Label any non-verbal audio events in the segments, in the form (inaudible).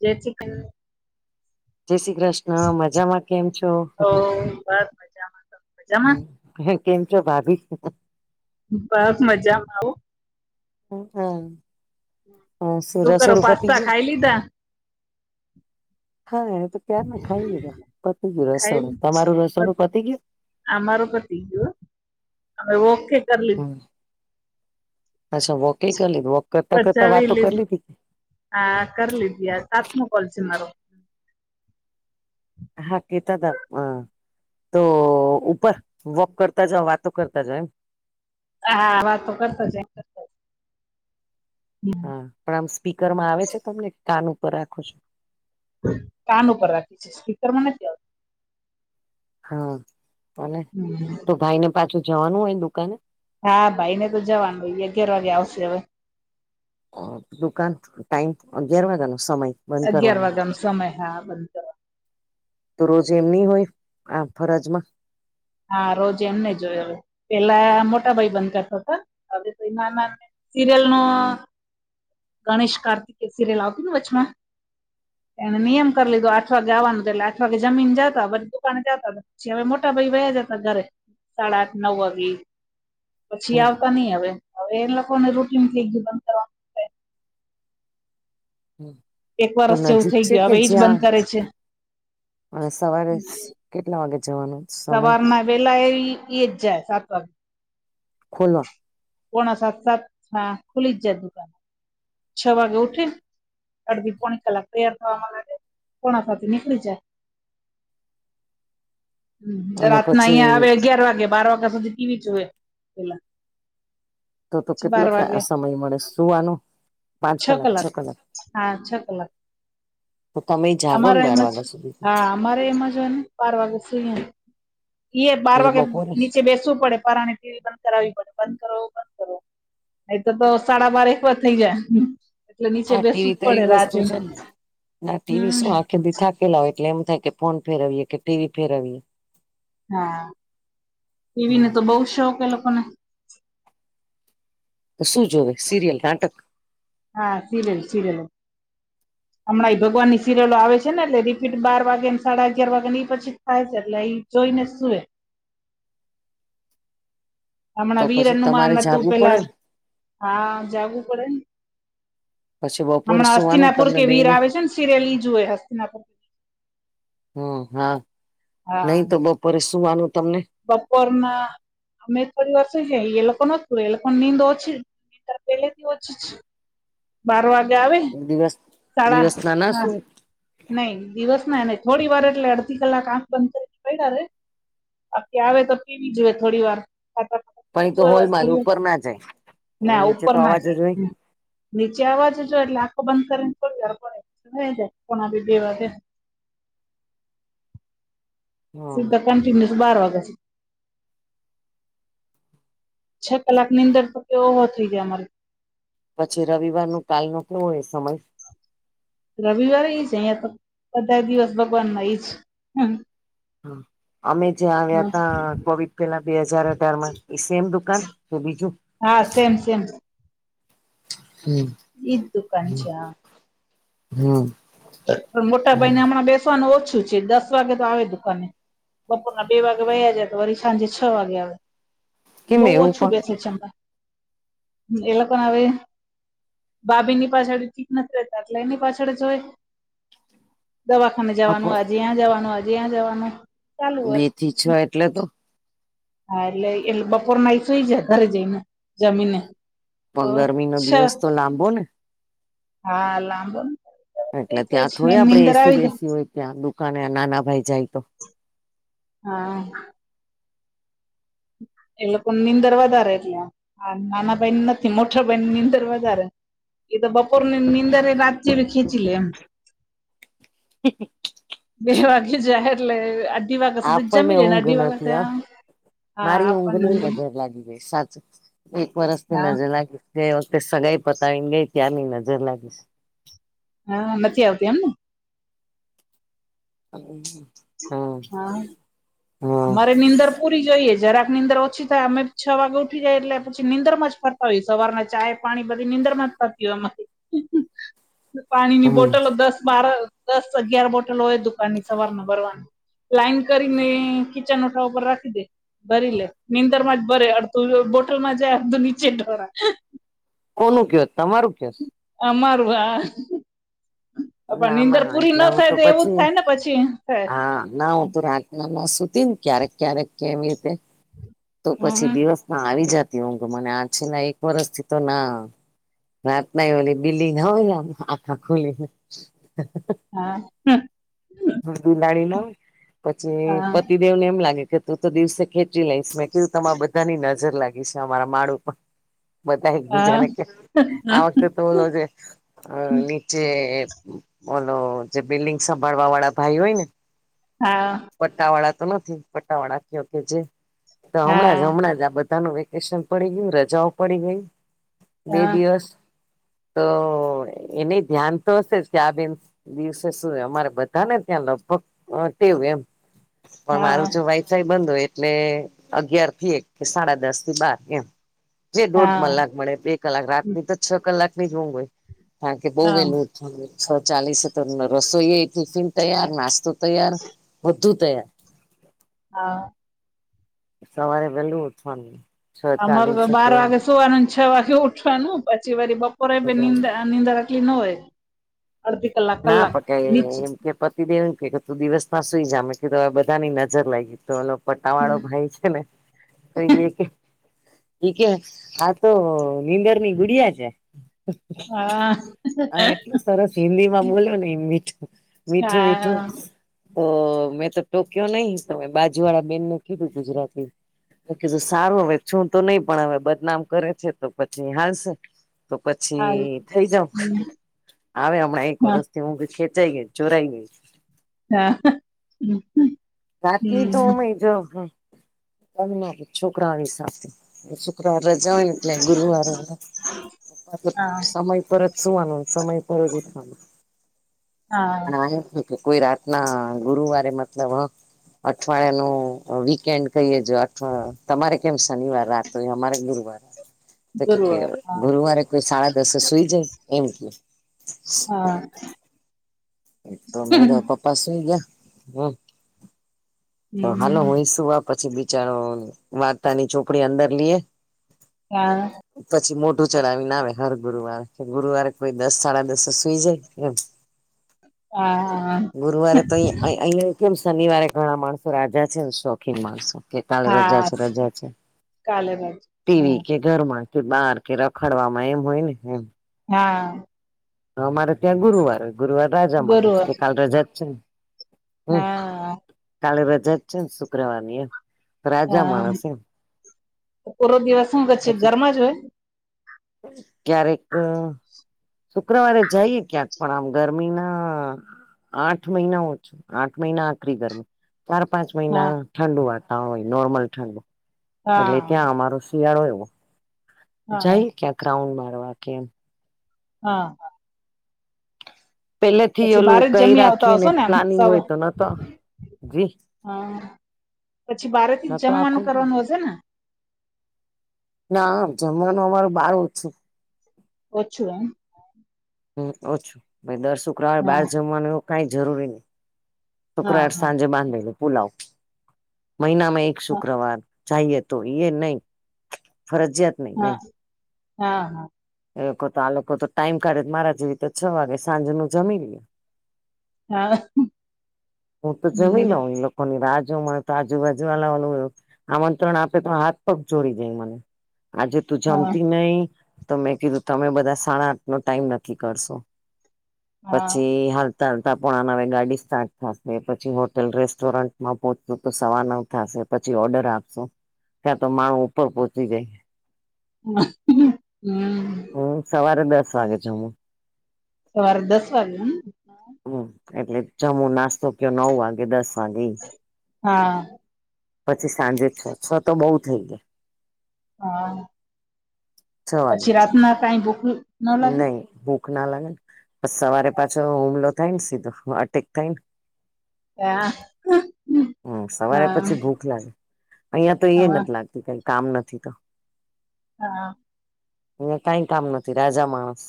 જે ચિકન જય શ્રી કૃષ્ણ મજામાં કેમ છો. ઓ બસ મજા. હમ્મ, કેમ છો ભાભી? બસ મજામાં આવો. હા હા સુ શું કરો રસોડુપતિ પાસ્તા ગયુ? ખાઈ લીધા હા એ તો ક્યાર ને ખાઈ લીધા પતી ગયું રસોડું, તમારું રસોણું પતી ગયું? અમારૂ પતિ ગયું હો, અમે ઓકે કર હમ અચ્છા વોકે કરલી વો પચાવી લીધી, આ કરી લીધી આ સાતમો કોલ છે મારો. હા કેતા તા પણ તો ઉપર? વોક કરતા જઓ વાતો કરતા જા એમ? હા વાત તો કરતો જા એક હા પણ આમ સ્પીકરમાં આવે છે તમને કાન ઉપર રાખો છો? કાન ઉપર રાખી છે, સ્પીકર મા નથી રાયખા. હા અને આવતી તો ભાઈ ને પાછું જવાનું હોયને દુકાને? હા ભાઈ ને તો જવાનું અગિયાર વાગે આવશે હવે. દુકાન ટાઈમ અગિયાર વાગાનો સમય? બંધ અગિયાર કરવાનો વગનો સમય હા. તો રોજ એમ ની હોય આ ફરજમાં? હા રોજ એમને જોયો હવે પેલા મોટા ભાઈ બંધ કરતા હતા હવે તો નાના સિરિયલ નો ગણેશ કાર્તિકે સિરિયલ આવતું ને વચમાં. એને નિયમ કરી લીધો આઠ વાગે આવવાનું એટલે આઠ વાગે જમીન જાતા પછ દુકાન જતા. પછી હવે મોટા ભાઈ બે જતા ઘરે સાડા આઠ નવ વાગી પછી હમ આવતા નઈ હવે. હવે એને લોકો ને રોટલી થઈ ગયુ બનતા. એક તો વરસ જેવું નજીક થઈ છે ગયું કે હવે એજ જ્યાં? બંધ કરે છે અને સવારે કેટલા વાગે જવાનું? સવાર ના વેલા એ એજ જાય સાત વાગ ખોલો. પોણા સાત સાત હા ખુલી જ જાય. છ વાગે ઉઠીન અડધી પોણી કલાક તૈયાર થવામાં લાગે પોણા ભાગે નીકળી જાય. ચલ અને રાતના પછી અહિયાં આવે અગિયાર વાગે બાર વાગ્યા સુધી ટી વી જુએ. તો તો કેટલો સમય મળે સુવાનો? પાંચ કલાક, છ કલાક. હા છ કલાક તમે જાગો ને બાર વાગ્યા સુધી? મારે એમજ હોય બારવાગે સુઈ ને. એ બાર પછી વાગે બપોરે નીચે બેસવું પડે પારાને ટી વી બંધ કરાવવી પડે બંધ કરો બંધ કરો. નહિતર તો તો સાડા બાર એક વાર થઇ જાય. એટલે નીચે આ ટી બેસવું વી તો એ જ પડે રાહ વસ્તુ છે જોઈને ને ના ટી વી હમ શું આખે દીખા કેલા એટલે એમ થાય કે ફોન ફેરવીએ કે ટી વી ફેરવીએ. હા ટી વી નો તો બઉ શોખ એ લોકોને. તો શું જોવે સિરિયલ નાટક? હા, સીરેલ સીરેલ (unintelligible) હમણાં એ ભગવાનની સીરિયલો આવે છે ને એટલે રિપીટ બાર વાગેને સાડા અગિયાર વાગે એ પછી થાય છે એટલે ઈ જોઈને સુવે. તો હમણાં વીર પછી તમારે હનુમાન હતું જાગવું પડે પેલા ને હા જાવું પડેને. પછી બપોરે હમણા સુવાનું હસ્તિતીનાપુર તમને કે વીર બેઈને આવે છે ને સિરિયલ ઈ જોવે હસ્તીનાપુ. હમ્મ હા, હા નહી તો બપોરે શું વાનું તમને? બપોરના અમે થોડી વાર સુઈ જાય એ લોકો ન સુવે એ લોકો ની નીંદ ઓછી, નિંદર પહેલેથી ઓછી બાર વાગે આવે દિવસ સાડા, દિવસ ના ના હા શું નઈ દિવસ ના નહી થોડી વાર એટલે તીથલ આંખ બંધ કરીને પડ્યા રે (unintelligible) આવે તો ટીવી જોવે થોડી વાર ખાતા પણ એ તો હોલમાં જ (unintelligible) ઉપર ના જાય એ ના નીચે ઉપર તો ના જ અવાજ હોય નીચે આવાજ જો એટલે આખો બંધ કરીને સુઈ જાય (unintelligible) બે વાગે હમ સીધા કંન્ટિન્યુસ બાર વાગ્યા સુધી છ કલાક ની નીંદર તો તે ઓહો થઈ જાય અમાર પછી રવિવાર નું કાલ નો કો હોય સમય રવિવારે ઈ છે અહિયાં તો બધા દિવસ ભગવાના ઈજ અમે જે આવ્યા તા કોવિડ પેલા બે હાજાર અઢારમાં ઈ સેમ દુકાન હુ બીજુ હા, સેમ, સેમ હમ ઇજ દુકાન છે આ હમ પણ મોટા ભાઈ ને હમણાં બેસવાનું ઓછું છે દસ વાગે તો આવે દુકાને બપોરના બે વાગે વયા જાય તો વરી સાંજે છ વાગે આવે કેમ બહુ એવું ઓછું બેસેે છે, એ લોકોના ભાભી ની પાછળ ચીક નથી રહેતા એટલે એની પાછળ જ હોય. દવાખાને જવાનું પણ આજે્યાં જવાનું આજે અ્યાં જવાનું. ચાલુ હોય બે થી છ એટલે તો. હા એટલે એટલે બપોર નાઈ સુઈ જઈને જમીને. તો પણ ગરમી નો છ દિવસ તો લાંબો ને. હા લાંબ. એટલે ત્યાં થોડી આપડણે એસી જાય બેસી હોય ત્યાં દુકાને નાના ભાઈ જાય તો. હા. એ લોકો નીંદર વધારે એટલે. હા નાના ભાઈન નથી મોટા ભાઈ ન ની અંદર વધારે. એ તો બપોરને નિંદ રાતેભી ખીંચ લે એમ. (unintelligible) બે વાગે જાય એટલે અઢી વાગ સુધી આપણને જમી લે ને ઊંઘ અઢી વાગ. નથી આ મારી ઊંઘ ની નજર લાગી ગઈ સાચું એક વરસ ની હા નજર લાગી. જે વખતે સગાઈ પતાવીને ગઈ ત્યાંની નજર લાગે. હા નથી આવતી એમને? (unintelligible) હા, હમ અમારે નીંદર પૂરીઈએ જરાક નીંદર ઓછી થાય અમે છ વાગે ઉઠીયએ એટલે પછી નીંદરમાં જ ફર સવારના ચાય પાણી બધી નીંદ્રમાં જ થતી હોય. (inaudible) પાણીની હમ બોટલો દસ બાર દસ અગિયાર બોટલો હોય દુકાન ની સવાર ન ભરવાનું. લાઈન કરીને કીચનઠા ઉપર રાખી દે. ભરી લે નીંદર માં જ ભરે અડધું બોટલ માં જાય અડધું નીચે ઢોળાય. કોનું ક્યો તમારું કયો? અમારું આ. ના ના ન એટલે હું થાય તો એવું જ પછી, થાય ને પછી થાય હા ના હું તો રાખ નામ સુતિ ક્યારેક ક્ય્યારેક કેમ રીતે. તો પછી હમ દિવસમાં આવી જતી ઊંઘ મને આ છેલ્લા એક વરષથી તો ના આવે. રાત નહી ઓલી બિલ્ડીંગ ના હોય આખા ખુલી. હા (unintelligible) બિલાડી ના પછી પતિદેવને એમ લાગે કે તું તો દિવસે ખેંચી લઈશ મે કેવું તમારા બધાની નજર લાગી છે અમારા માળ ઉપર. બધ એકબીજા હા ને ક્યા આ વખતે બોલો જે નીચે બોલો જે બિલ્ડિંગ સંભાળવા વાળા. ભાઈ હોય ને. હા. પટ્ટાવાળા તો નથી પટ્ટાવાળા કયો કે જે હમણાં હા જ હમણાં જ આ બધા નુ વેકેશન પડી ગયું રજાઓ પડી ગય બે હા દિવસ તો. એની ધ્યાન તો હશે આ બે નુ. દિવસે સુું અમારે બધા ને ત્યાં લગભગ કેવું એમ. પણ હા મારું તો વાઈફાઈ બંધ હોય એટલે અગિયાર થી એક કે સાડા દસ થી બાર એમ. જે દોઢ હા કલાક મળે બે કલાક રાતની તો છ કલાકની ઉગ હોય. રાત્રે બહુ હા વેલું છ ચાલીસ રસોઈ ટિફિન તૈયાર નાસ્તો તૈયાર. બધુ તૈયાર. હા. સવારે વહેલુ ઉઠવાનું. છ અમારે ચાલીસે તોબાર તો વાગે. સવારનુંને છ વાગે ઉઠવાનું પછી વારી બપોરેંદ નીંદા આટલી ન હોય. અડધી કલાક ના કલાક પકાય નીચ એમ કે પતિને એવું કે કે તું દિવસ ના સુઈ જમે કે તો હવે બધાની નજર લાગી તો પટા વાળો હમ, ભાઈ છે ને એ કે. એ કે આ તો નીંદર ની ગુડિયા છે. હા. હા એટલું સરસ હિન્દી માં બોલ્યો ને મીઠું મીઠું મીઠું. હા તો મેં તો ટોકયો નહી બાજુ વાળા બેનને કીધું ગુજરાતી જો સારું હવે છું તો નહી પણ હવે બદનામ કરે છે તો પછી હાલશે તો હાલ પછી થઈ જાવ. હમ, હ હમણાં એક હા વરષ થી હું ખેંચાઈ ગઈ ચોરાઈ ગઈ તા હા હમ હમ. રાતની તો ઉમેય જ તમ છોકરાઓની સાથે શુક્રવાર જવાને એટલે ગુરુવારે હા સમય પરત શુંવાનુ સમય પરજ ઉઠવાનું હા આ ને કે કોઈ રાતના ગુરુવારે મતલબ અ. અઠવાડિયા ન વીકેન્ડ કહીયે જો અવા તમારે કેમ શનિવાર રાતો હોય અમારે ગુરુવાર તો કે ગુરુવાર હા ગુરુવારે કોઈ સાડા દસે સુઈ જાય એમ કે. હા. તોમે પપ્પા સુઈ ગયા અ. હાલો હમ હું સુું આ પછી બિચારો વાર્તાની ચોપડી અંદર લઈએ હા. પછી મોટું ચલાવીને આવે હર ગુરુવાર કે ગુરુવારે કોઈ દસ સાડા દસ સુઈ જાય એમ (inaudible) હા ગુરુવારે તો અ અહિયાં કેમ શનિવારે ઘણા માણસો રાજા છે શોખીન માણસો કે કાલે રજા હા છે રજા છે કાલે બાજુ હા ટીવી કે ઘર માંથી બહાર કે રખાડમાં એમ હોય ને એમ. હા. અમારે ત્યાં ગુરુવાર ગુરુવાર રાજા માણસ ગુરુવાર કે કાલ રજા જ છે ને. હમ હા કાલે રજા જ છે ને શુક્રવાર ની એમ રાજા હા માણસે પૂરો દિવસ શું જ છે પછી ઘરમાં જ હોય- ક્યારેક ક, શુક્રવારે જઈએ ક્યાંક પણ આમ ગરમીના, આઠ મહિના ઓછો આઠ મહિના આખરી ગરમે માંર પાંચ મહિના હા ઠંડુ વાતાવરણ હોય નોર્મલ ઠંડુ એટલે હા ત્યાં અમાર શિયાળો એવો હા જાય કે રાઉન્ડ મારવા કેમ હા. પેલેથી પછી ઓલું બાર જ કઈ જમી આવતા રાખીએ હશો ને એમ પ્લાનિંગ સવ. હોય તો નતો જી હા પછી બાર થી જ નતો આખો જમવાનું દી કરવાનું હશે ને, ના જમવાનું અમારો બાર હોઈ ઓછુ એમ, હા ઓછું દર શુક્રવાર બાર હા જમવાનું એવું કઈ જરૂરી નહી હા શુક્રવાર હા સાંજે બાંધેલું પુલાવ મહિનામાં એક શુક્રવાર, ચઈએ તો એ નહી ફરજિયાત. નહી હા નહી હા હા એ લોકો તો આ લોકો તો ટાઈમ કાઢે મારા જેવી તો છ વાગે સાંજે નું જમી ને હા હું તો જમી હમ લઉં ની રાહ જો મળે તો આજુબાજુલા વાલું આમંત્રણ આપે તો હાથ પગ જોડી જાય મને આજે તું હા જમતી નહી? તો, મેં કીધું તમે બધા સાડા આઠ નો ટાઈમ નથી કરશો હા પછી હાલ ચાલતા પોણા નવે ગાડી સ્ટાર્ટ થશે, પછી હોટેલ રેસ્ટોરન્ટમાં પહોંચું તો સવા નવ થશે. પછી ઓર્ડર આપશું ત્યાં તો મ (unintelligible) ઉપર પહોંચી ગઈ. હા. (unintelligible) હમ્મ. (unintelligible) હું સવારે દસ વાગે જમું. સવારે દસ વાગે ને? હમ્મ, એટલે જમુ નાસ્તો કરું નવ વાગે, દસ વાગે હા. પછી સાંજે છ તો બઉ થઈ ગયા. હા. પછી રાતના કાઈ ભૂક નઈ ભૂખના લાગે ને પછી સવારે પાછો હુમલો થાય ને સીધો અટેક થાય ને? હા. હમ્મ, સવારે હા પછી ભૂખ લાગે. અહિયાં તો એ હા નથી લાગતી કઈ કામ નથી તો. હા. અયા કઈ કામ નથી રાજા માણસ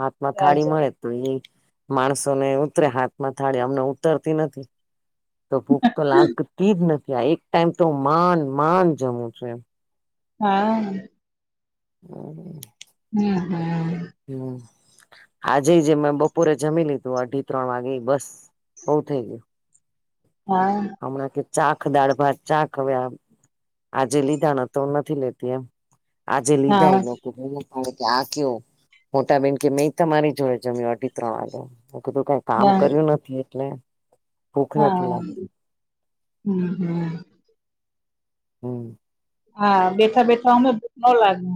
હાથમાં થાળી રાજા મળે. તો એ માણસો ને ઉતરે હાથમાં થાળે અમને ઉતરતી નથી. તો ભૂખ તો લાગતી જ નથી આ એક ટાઈમ તો માંડ માંડ જમું છું, એમ. હા. હા. (unintelligible) હમ્મ, હમ્મ. (unintelligible) હમ્મ, આજે જે મેં બપોરે જમી લી તો અઢી-ત્રણ વાગે બસ બઉ થઈ ગયું. હા. અમના કે ચાખ દાળ-ભાત શાક અવે આજે લીધા ને તો નથી લેતી એમ આજે લીધા હા એ લોકો આ કેવું? મોટાબેન કે મેં તમારી જોડે જમ્યું અઢી-ત્રણ વાગે, મેં કીધું કે કામ હા કર્યું નથી એટલે ભૂખ નથી લાગતી હા હમ્મ હમ્મ. હમ્મ હા બેઠા-બેઠા ઓમે ભૂખ નો લાગે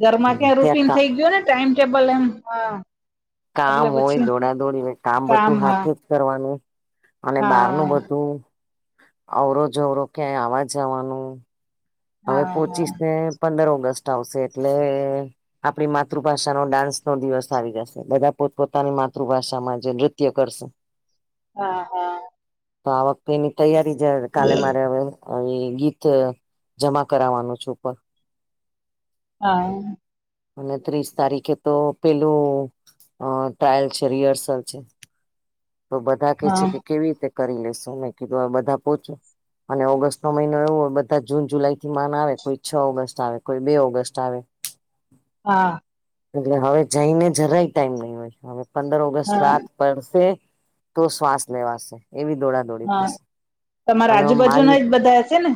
ઘરમાં ક્યાં ત્યાં રૂટીન કા થઈ ગયું ને? ટાઈમ ટેબલ એમ હહ કામ હોય, દોડા-દોડી હોય, કામ બધું હાથે જ કરવાનું. અને બહારનું હા બધું અવરો-જવરો ક્યાંય આવા જાવાનું. હવે હા હા પોચીસને પંદર ઓગસ્ટ આવશે એટલે આપણી માતૃભાષાનો ડાન્સનો દિવસ આવી જશે. બધા પોતપોતાની માતૃભાષામાં જે નૃત્ય કરશે. (inaudible) હા હા. તો આ વખતેની તૈયારી જ, કાલે મારે હવે એ ગીત જમા કરાવાનું છે ઉપર. હા અને ત્રીસ તારીખે તો પેલું અ ટ્રાયલ છે રિહર્સલ છે. તો બધા કે છે, હા કે કેવી રીતે કરી લેશો મે કીધું હવે બધા પોચો અને ઓગસ્ટનો મહિનો એવો હોય બધા જૂન જુલાઈથી માન આવે કોઈ છ ઓગસ્ટ આવે, કોઈ બે ઓગસ્ટ આવે. હા એટલે હવે જઈને જરાય ટાઈમ નઈ હોય છે. હવે પંદર ઓગસ્ટ હા રાત પડશે તો શ્વાસ લેવાશે. એવી દોડા દોડી હા થશે તમારા અને મારી આજુબાજુના એજ બધા હશે ને?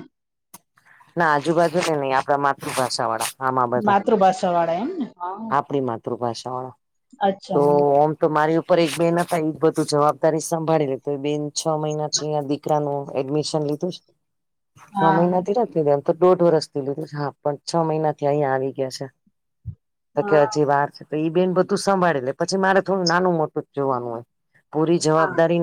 ના આજુબાજુના નહીં આપડા માતૃભાષા વાળા આમાં બધા. માતૃભાષાવાળા એમને? હહ આપણી માતૃભાષાવાળા. અચ્છા હહ. તો મારી ઉપર એક બેન હતા ઈ જ બધું જવાબદારી સંભાળી લે તો ઈ બેન છ મહિનાથી હજી દીકરાનું એડમિશન લીધું છે. છ હા મહિનાથી નથ લીધું એમ તો દોઢ વર્ષથી લીધું હા પણ છ મહિનાથી અહીંયા આવી ગયા છે. તો કે હા હા હજી વાર છે તો ઈ બેન બધું સંભાળી લે પછી મારે થોડું નાનું મોટું જ જોવાનું હોય. પૂરી હા જવાબદારી